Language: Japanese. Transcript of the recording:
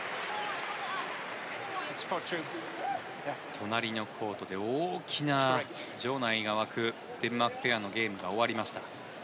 隣のコートで大きな、場内が沸くデンマークペアのゲームが終わりました。